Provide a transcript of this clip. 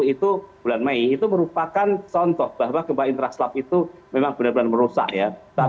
itu bulan mei itu merupakan contoh bahwa gempa interaslap itu memang benar benar merusak ya